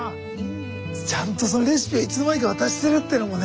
ちゃんとそのレシピをいつの間にか渡してるっていうのもね